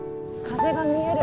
風が見える。